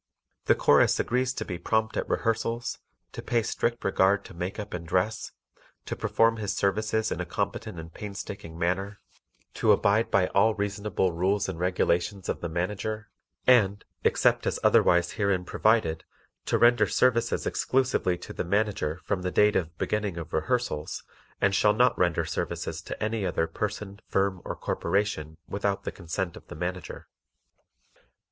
The Chorus agrees to be prompt at rehearsals, to pay strict regard to makeup and dress, to perform his services in a competent and painstaking manner, to abide by all reasonable rules and regulations of the Manager, and, except as otherwise herein provided, to render services exclusively to the Manager from the date of beginning of rehearsals, and shall not render services to any other person, firm or corporation without the consent of the Manager.